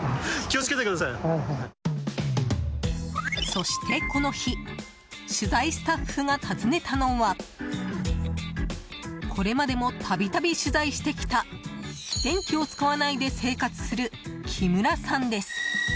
そして、この日取材スタッフが訪ねたのはこれまでも度々、取材してきた電気を使わないで生活する木村さんです。